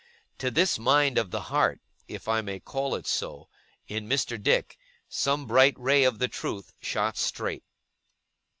To this mind of the heart, if I may call it so, in Mr. Dick, some bright ray of the truth shot straight.